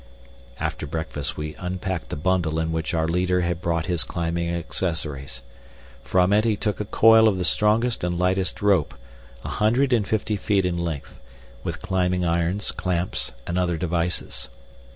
After breakfast we unpacked the bundle in which our leader had brought his climbing accessories. From it he took a coil of the strongest and lightest rope, a hundred and fifty feet in length, with climbing irons, clamps, and other devices.